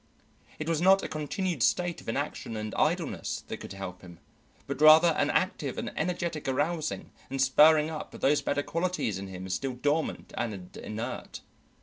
It was not a continued state of inaction and idleness that could help him, but rather an active and energetic arousing and spurring up of those better qualities in him still dormant and inert.